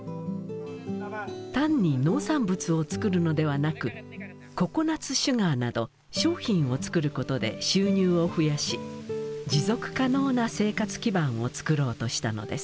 単に農産物を作るのではなくココナツシュガーなど商品を作ることで収入を増やし持続可能な生活基盤をつくろうとしたのです。